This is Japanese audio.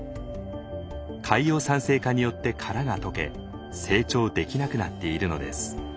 海洋酸性化によって殻が溶け成長できなくなっているのです。